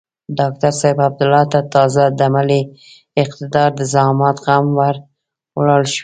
ډاکتر صاحب عبدالله ته تازه د ملي اقتدار د زعامت غم ور ولاړ شوی.